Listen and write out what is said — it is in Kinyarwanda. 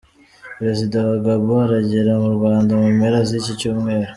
Perezida wa Gabon aragera mu Rwanda mu mpera z’iki Cyumweru